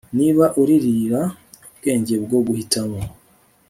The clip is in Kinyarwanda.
Niba uririra ubwenge bwo guhitamo